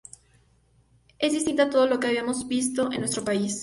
Es distinta a todo lo que habíamos visto en nuestro país.